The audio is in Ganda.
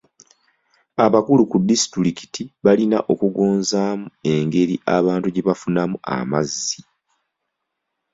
Abakulu ku disitulikiti balina okugonzaamu engeri abantu gye bafunamu amazzi.